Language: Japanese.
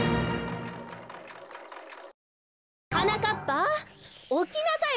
はなかっぱおきなさい